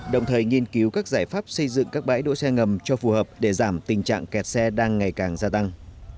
đồng thời nghiên cứu các giải pháp xây dựng các bãi đỗ xe ngầm cho phù hợp để giảm tình trạng kẹt xe đang ngày càng gia tăng